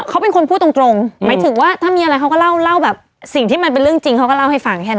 เขาเป็นคนพูดตรงตรงหมายถึงว่าถ้ามีอะไรเขาก็เล่าแบบสิ่งที่มันเป็นเรื่องจริงเขาก็เล่าให้ฟังแค่นั้น